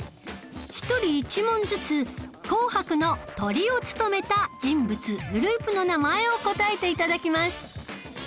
１人１問ずつ『紅白』のトリを務めた人物グループの名前を答えて頂きます